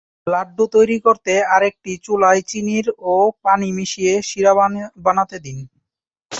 লাড্ডু তৈরি করতে- আরেকটি চুলায় চিনির ও পানি মিশিয়ে শিরা বানাতে দিন।